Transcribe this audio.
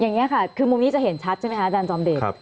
อย่างนี้ค่ะคือมุมนี้จะเห็นชัดใช่ไหมคะอาจารย์จอมเดช